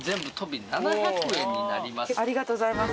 ありがとうございます。